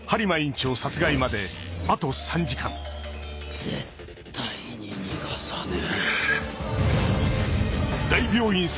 絶対に逃がさねえ！